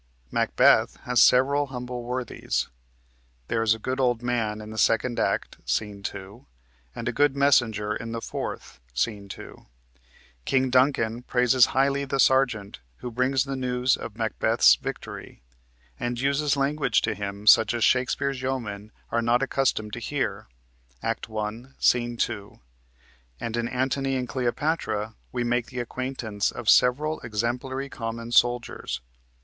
"Macbeth" has several humble worthies. There is a good old man in the second act (Sc. 2), and a good messenger in the fourth (Sc. 2). King Duncan praises highly the sergeant who brings the news of Macbeth's victory, and uses language to him such as Shakespeare's yeomen are not accustomed to hear (Act 1, Sc. 2). And in "Antony and Cleopatra" we make the acquaintance of several exemplary common soldiers.